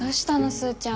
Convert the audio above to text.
スーちゃん。